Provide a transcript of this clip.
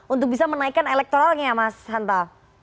untuk bisa menaikkan elektoralnya ya mas hanta